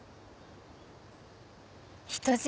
人質？